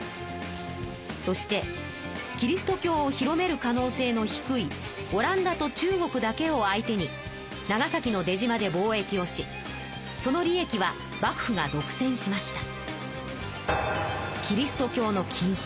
そしてキリスト教を広める可能性の低いオランダと中国だけを相手に長崎の出島で貿易をしその利益は幕府が独占しました。